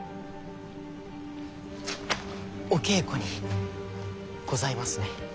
お稽古にございますね？